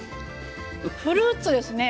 フルーツですね。